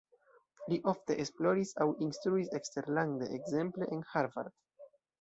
Li ofte esploris aŭ instruis eksterlande, ekzemple en Harvard.